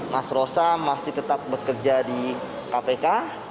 mas rosa masih tetap bekerja di kpk